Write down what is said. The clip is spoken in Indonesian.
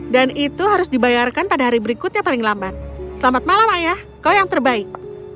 dan itu harus dibayarkan pada hari berikutnya paling lambat selamat malam ayah kau yang terbaik